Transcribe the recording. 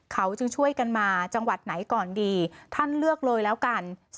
เขาจึงช่วยกันมาจังหวัดไหนก่อนดีท่านเลือกเลยแล้วกัน